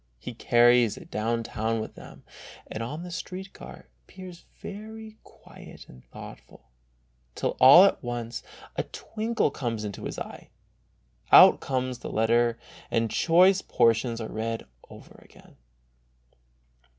He carries it down town with him, and on the street car appears very quiet and thoughtful, till all at once a twinkle comes into his eye, out comes the letter and choice portions are read over again.